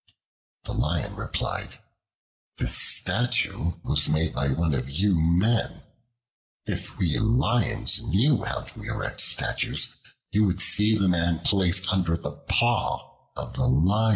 The Lion replied: "This statue was made by one of you men. If we Lions knew how to erect statues, you would see the Man placed under the paw of the Lion."